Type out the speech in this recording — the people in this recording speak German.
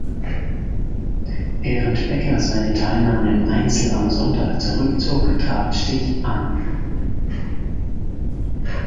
Während Becker seine Teilnahme im Einzel am Sonntag zurückzog, trat Stich an.